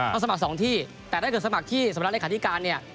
สมัครสองที่แต่ถ้าเกิดสมัครที่สำนักเลขาธิการเนี่ย